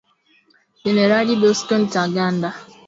Generali Bosco Ntaganda